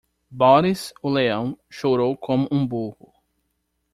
Boris, o leão, chorou como um burro.